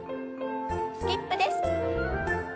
スキップです。